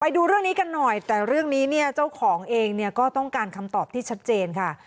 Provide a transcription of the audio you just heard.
ดูเรื่องนี้กันหน่อยแต่เรื่องนี้เนี่ยเจ้าของเองเนี่ยก็ต้องการคำตอบที่ชัดเจนค่ะ